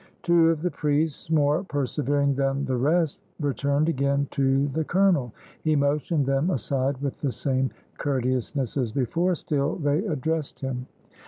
Two of the priests, more persevering than the rest, returned again to the colonel; he motioned them aside with the same courteousness as before. Still they addressed him.